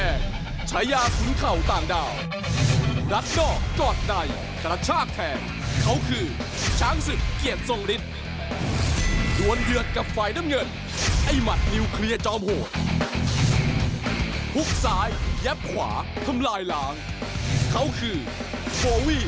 เอ้าเชิญติดตามวิทยาครับ